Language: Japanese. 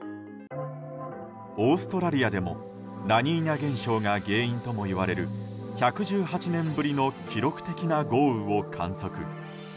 オーストラリアでもラニーニャ現象が原因ともいわれる１１８年ぶりの記録的な豪雨を観測。